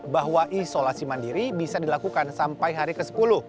bahwa isolasi mandiri bisa dilakukan sampai hari ke sepuluh